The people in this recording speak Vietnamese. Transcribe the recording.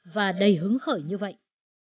và đầy hứng khởi như vậy